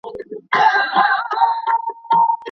د پرمختګ حق یوازي پوهو خلګو ته نه سي ورکول کېدلای.